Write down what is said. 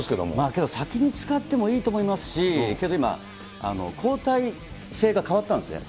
けど、先に使ってもいいと思いますし、けど、今、交代制が変わったんですね。